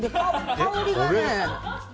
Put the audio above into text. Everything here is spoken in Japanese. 香りがね